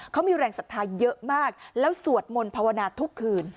เขามีแรงศรัทธาเยอะมากแล้วสวดมนต์ภาวนาทุกคืน